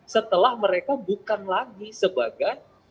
setelah mereka bukan lagi sebagai